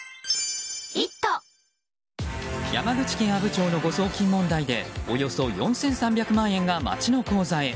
山口県阿武町の誤送金問題でおよそ４３００万円が町の口座へ。